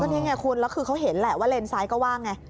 นี่ไงคุณแล้วคือเขาเห็นแหละว่าเลนซ้ายก็ว่างไง